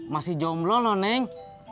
masih jomblo loh neng